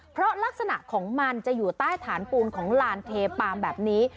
เพราะลักษณะของมันจะอยู่ใต้ฐานปูนของลานเทปาล์มแบบนี้